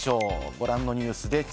ご覧のニュースです。